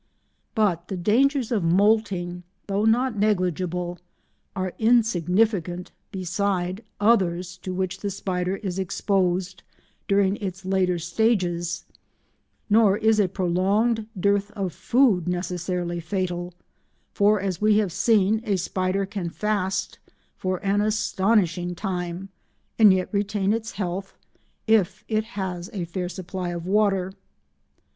But the dangers of moulting, though not negligible, are insignificant beside others to which the spider is exposed during its later stages, nor is a prolonged dearth of food necessarily fatal, for, as we have seen, a spider can fast for an astonishing time and yet retain its health if it has a fair supply of water.